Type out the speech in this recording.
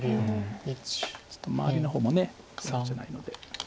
ちょっと周りの方も頑丈じゃないので。